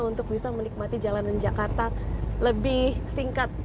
untuk bisa menikmati jalanan jakarta lebih singkat